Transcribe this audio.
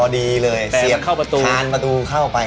อ๋อดีเลยเสียบทานประตูเข้าไป